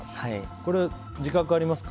これ、自覚ありますか？